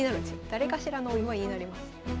誰かしらのお祝いになります。